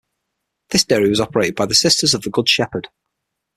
This dairy was operated by the Sisters of the Good Shepherd.